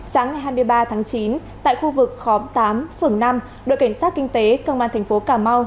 sáng ngày hai mươi ba tháng chín tại khu vực khóm tám phường năm đội cảnh sát kinh tế công an thành phố cà mau